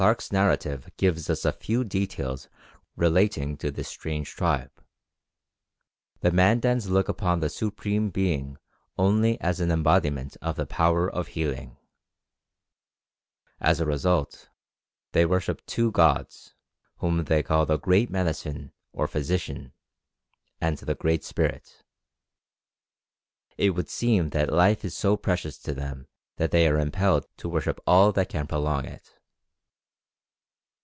Clarke's narrative gives us a few details relating to this strange tribe. The Mandans look upon the Supreme Being only as an embodiment of the power of healing. As a result they worship two gods, whom they call the Great Medicine or the Physician, and the Great Spirit. It would seem that life is so precious to them that they are impelled to worship all that can prolong it!